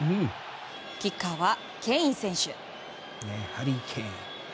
キッカーはケイン選手。